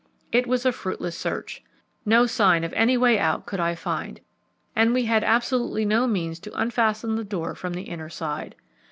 It was a fruitless search. No sign of any way out could I find, and we had absolutely no means to unfasten the door from the inner side.